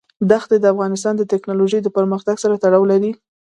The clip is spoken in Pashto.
دښتې د افغانستان د تکنالوژۍ د پرمختګ سره تړاو لري.